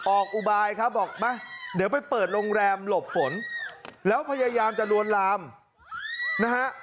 อุบายครับบอกมาเดี๋ยวไปเปิดโรงแรมหลบฝนแล้วพยายามจะลวนลามนะฮะ